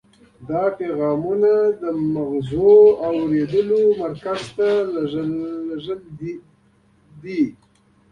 دا پیغامونه د مغزو د اورېدلو مرکز ته لیږدوي.